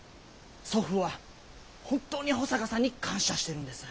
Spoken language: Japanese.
祖父は本当に保坂さんに感謝してるんです。